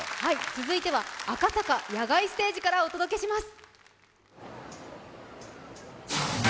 続いては赤坂野外ステージからお届けします。